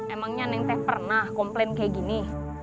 emangnya neng teh pernah komplain kayak gini